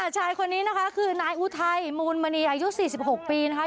ชายคนนี้นะคะคือนายอุทัยมูลมณีอายุ๔๖ปีนะคะ